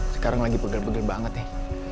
sekarang lagi pegel dua banget nih